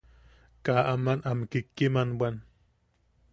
Kaa aman am kikkiman bwan.